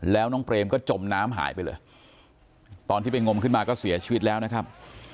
แล้วน้องเปรมก็จมน้ำหายไปเลยตอนที่ไปงมขึ้นมาก็เสียชีวิตแล้วนะครับ